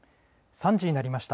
３時になりました。